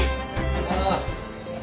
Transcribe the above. ああ。